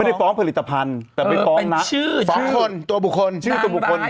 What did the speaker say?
ไม่ได้ฟ้องผลิตภัณฑ์แต่ไปฟ้องน้ำเป็นชื่อฟ้องคนตัวบุคคล